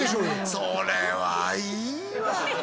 それはいいわ